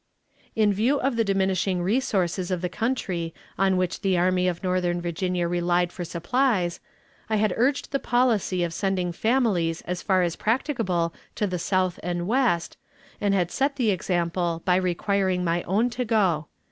In view of the diminishing resources of the country on which the Army of Northern Virginia relied for supplies, I had urged the policy of sending families as far as practicable to the south and west, and had set the example by requiring my own to go.